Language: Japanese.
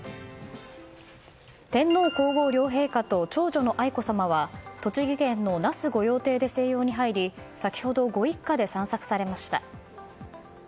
天皇・皇后両陛下と長女の愛子さまは栃木県の那須御用邸で静養に入り先ほどご一家で散策されました。